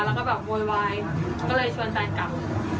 แล้วแบบโว๊ยไว็ก็เลยเชิญแจนกลับ